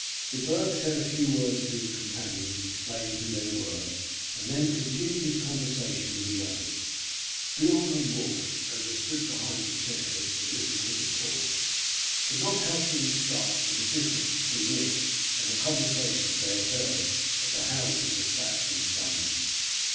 De Burg said a few words to his companions, explaining who they were, and then continued his conversation with the others. Beorn and Wulf, as they stood behind the chairs and listened to the talk, could not help being struck with the difference between it and the conversations they had heard at the houses of Saxon thanes.